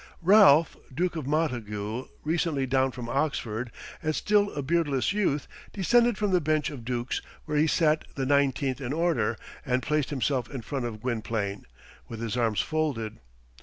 Ralph, Duke of Montagu, recently down from Oxford, and still a beardless youth, descended from the bench of dukes, where he sat the nineteenth in order, and placed himself in front of Gwynplaine, with his arms folded.